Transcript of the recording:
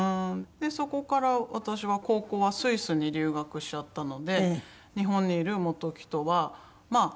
そこから私は高校はスイスに留学しちゃったので日本にいる本木とはまあ文通。